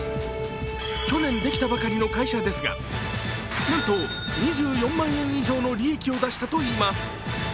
去年できたばかりの会社ですがなんと２４万円以上の利益を出したといいます。